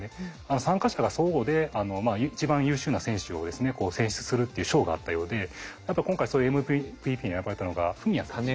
参加者が相互で一番優秀な選手を選出するっていう賞があったようでやっぱり今回そういうＭＶＰに選ばれたのが史哉さん。